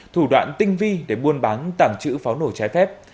thủ đoạn tinh vi để buôn bán tảng chữ pháo nổ trái phép